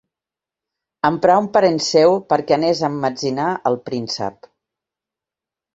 Emprà un parent seu perquè anés a emmetzinar el príncep.